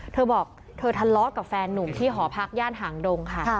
เธอบอกเธอทะเลาะกับแฟนนุ่มที่หอพักย่านหางดงค่ะ